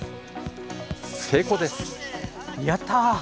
成功です！